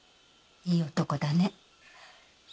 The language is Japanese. いい男だね。